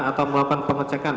atau melakukan pengecekan